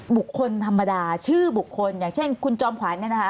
บุคคลธรรมดาชื่อบุคคลอย่างเช่นคุณจอมขวัญเนี่ยนะคะ